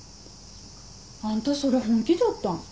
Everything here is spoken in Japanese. あんたそれ本気じゃった？